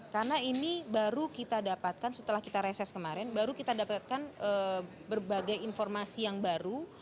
karena ini baru kita dapatkan setelah kita reses kemarin baru kita dapatkan berbagai informasi yang baru